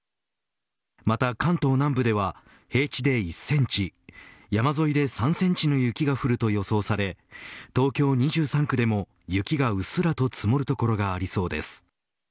また関東南部では平地で１センチ山沿いで３センチの雪が降ると予想され東京２３区でも雪がうっすらと積もる所がありそうです。